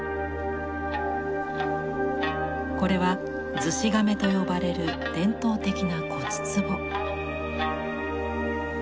これは「厨子甕」と呼ばれる伝統的な骨つぼ。